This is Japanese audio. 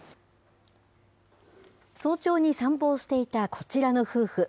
早朝に散歩をしていたこちらの夫婦。